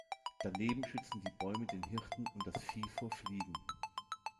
Daneben schützten die Bäume den Hirten und das Vieh vor Fliegen.